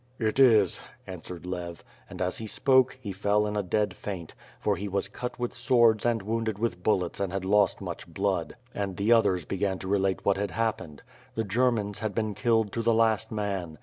"It is," answered Lev, and, as he spoke, he fell in a dead faint; for he was cut with swords and wounded with bullets and had lost much blood. And the others began to relate what had happened. The Germans had been killed to the last man.